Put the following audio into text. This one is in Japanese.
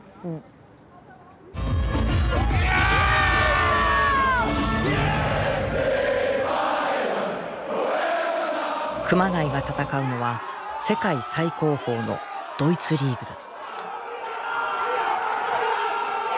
ＦＣＢａｙｅｒｎ熊谷が戦うのは世界最高峰のドイツリーグだ。